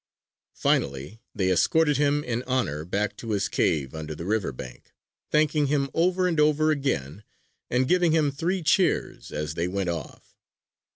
Finally they escorted him in honor back to his cave under the river bank, thanking him over and over again, and giving him three cheers as they went off.